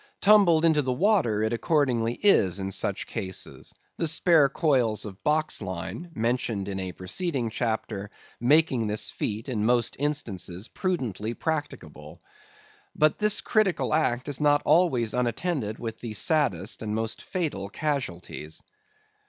Tumbled into the water, it accordingly is in such cases; the spare coils of box line (mentioned in a preceding chapter) making this feat, in most instances, prudently practicable. But this critical act is not always unattended with the saddest and most fatal casualties.